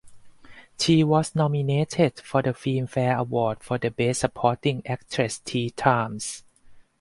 She was nominated for the Filmfare Award for Best Supporting Actress three times.